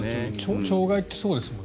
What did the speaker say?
鳥害ってそうですもんね。